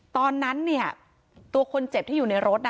ตอนนั้นเนี่ยตัวคนเจ็บที่อยู่ในรถ